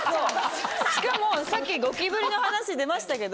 しかもさっきゴキブリの話出ましたけど。